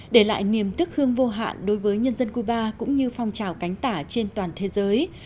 để lại niềm tức hương vô hạn đối với nhân dân cuba cũng như phong trào cánh tả trên toàn thế giới